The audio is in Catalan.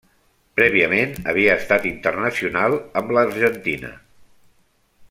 Prèviament havia estat internacional amb l'Argentina.